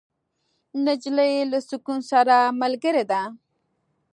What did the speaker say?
نجلۍ له سکون سره ملګرې ده.